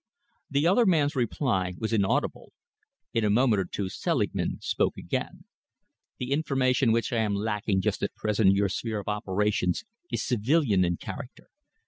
The other man's reply was inaudible. In a moment or two Selingman spoke again. "The information which I am lacking just at present in your sphere of operations, is civilian in character.